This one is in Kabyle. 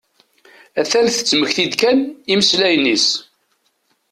A-t-an tettmekti-d kan imeslayen-is.